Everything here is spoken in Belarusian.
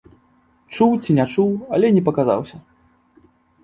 Чуў ці не чуў, але не паказаўся.